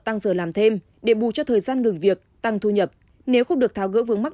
tăng giờ làm thêm để bù cho thời gian ngừng việc tăng thu nhập nếu không được tháo gỡ vướng mắt